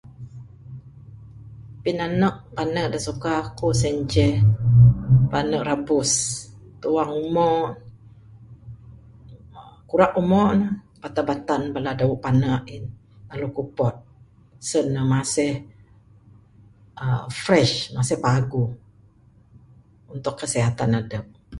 Pinanek pane da suka aku sien ceh pane rabus, tuang umo, kurak umo ne, batan batan bala dawe pane ain aku kupot sen ne uhh masih fresh masih paguh untuk kesihatan adep.